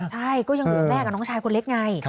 ใช่ก็ยังเหลือแม่กับน้องชายคนเล็กไง